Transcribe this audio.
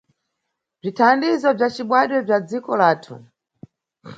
Bzithandizo bza cibadwe bza dziko lathu.